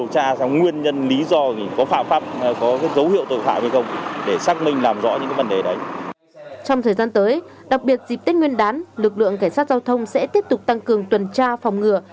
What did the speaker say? trong thời gian tới đặc biệt dịp tết nguyên đán lực lượng cảnh sát giao thông sẽ tiếp tục tăng cường tuần tra phòng ngừa